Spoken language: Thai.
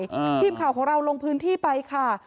สวัสดีคุณผู้ชายสวัสดีคุณผู้ชาย